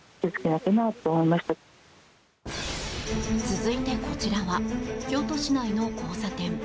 続いて、こちらは京都市内の交差点。